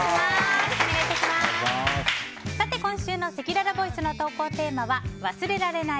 今週のせきららボイスの投稿テーマは忘れられない